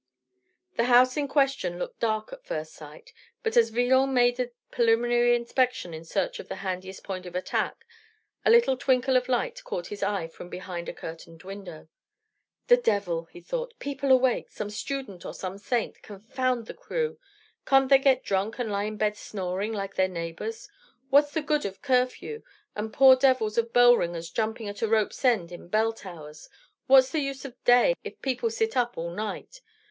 The house in question looked dark at first sight; but as Villon made a preliminary inspection in search of the handiest point of attack, a little twinkle of light caught his eye from behind a curtained window. "The devil!" he thought. "People awake! Some student or some saint, confound the crew! Can't they get drunk and lie in bed snoring like their neighbors! What's the good of curfew, and poor devils of bell ringers jumping at a rope's end in bell towers? What's the use of day, if people sit up all night?